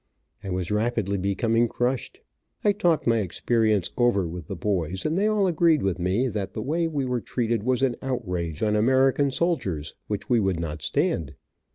I was rapidly becoming crushed. I talked my experience over with the boys, and they all agreed with me that the way we were treated was an outrage on American soldiers, which we would not stand.